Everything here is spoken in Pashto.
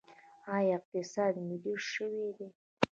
آیا اقتصاد ملي شوی دی؟